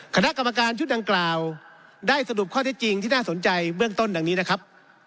คณะกรรมการชุดดังกล่าวได้สรุปข้อเท็จจริงที่น่าสนใจเบื้องต้นดังนี้นะครับ